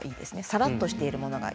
さらっとしているもの。